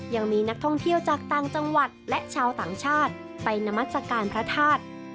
ยังมีนักท่องเที่ยวจากต่างจังหวัดและชาวต่างชาติไปนามัศกาลพระธาตุ